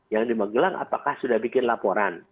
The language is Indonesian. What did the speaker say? yang di magelang apakah sudah bikin laporan